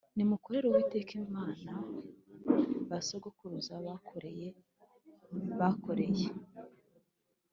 Nimukorere Uwiteka Imana basogokuruza bakoreye bakoreye